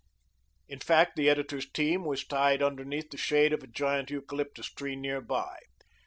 In fact, the editor's team was tied underneath the shade of a giant eucalyptus tree near by.